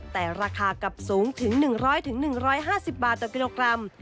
แต่ราคากลับสูงถึง๑๐๐๑๕๐บาทต่อกิโลกรัม